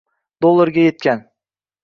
dollarga etgan